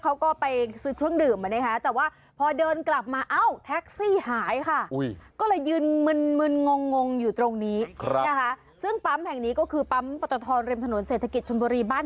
เอาขออนุญาตเอานวดออกก่อนนะ